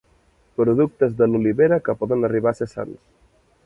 Productes de l'olivera que poden arribar a ser sants.